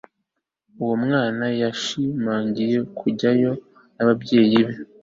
uwo mwana yashimangiye kujyayo n'ababyeyi be